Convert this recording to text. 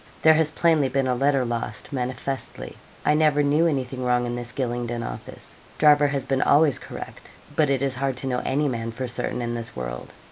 'There has plainly been a letter lost, manifestly. I never knew anything wrong in this Gylingden office. Driver has been always correct; but it is hard to know any man for certain in this world.